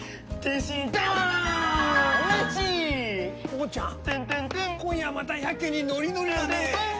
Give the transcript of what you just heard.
宝ちゃん今夜はまたやけにノリノリだねえ。